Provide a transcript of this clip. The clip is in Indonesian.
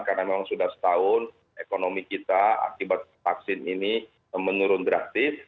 karena memang sudah setahun ekonomi kita akibat vaksin ini menurun drastis